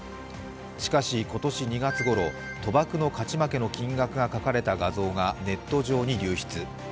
しかし今年２月ごろ、賭博の勝ち負けの金額が書かれた画像がネット上に流出。